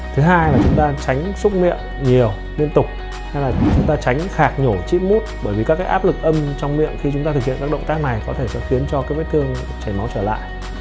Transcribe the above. thứ hai là chúng ta tránh xúc miệng nhiều liên tục hay là chúng ta tránh khạc nhổ chip mút bởi vì các cái áp lực âm trong miệng khi chúng ta thực hiện các động tác này có thể sẽ khiến cho cái vết thương chảy máu trở lại